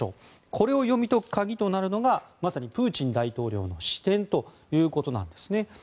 これを読み解く鍵となるのがまさにプーチン大統領の視点というものなんですね。